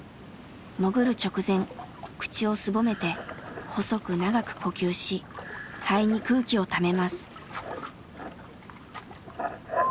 潜る直前口をすぼめて細く長く呼吸し肺に空気をためます。